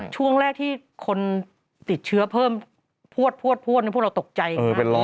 ช่วงแรกที่คนติดเชื้อเพิ่มพวดพวกเราตกใจ